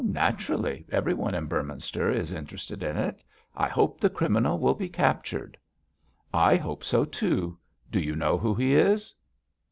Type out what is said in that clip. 'Naturally, everyone in Beorminster is interested in it. I hope the criminal will be captured.' 'I hope so too; do you know who he is?'